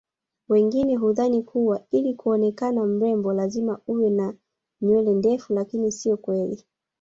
wengine hudhani kuwa ili kuonekana mrembo lazima uwe na nywele ndefu lakini sio kweli